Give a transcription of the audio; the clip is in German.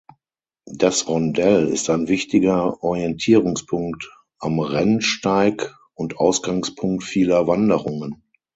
Das Rondell ist ein wichtiger Orientierungspunkt am Rennsteig und Ausgangspunkt vieler Wanderungen.